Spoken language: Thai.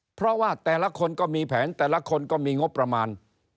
เพราะว่าแต่ละคนก็มีแผนแต่ละคนก็มีงบประมาณ